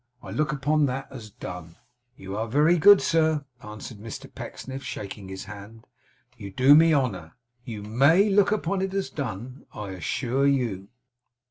I look upon that as done.' 'You are very good, sir,' answered Mr Pecksniff, shaking his hand. 'You do me honour. You MAY look upon it as done, I assure you.